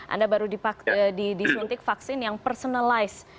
anda baru disuntik vaksin yang personalize